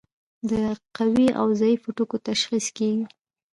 د قوي او ضعیفو ټکو تشخیص کیږي.